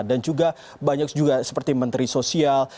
dan juga banyak juga seperti menteri sosial